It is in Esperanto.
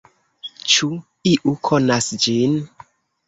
Ĉu iu konas ĝin?